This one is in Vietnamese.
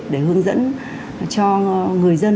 để hướng dẫn cho người dân